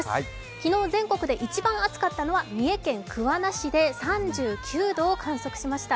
昨日全国で一番暑かったのは三重県桑名市で３９度を観測しました。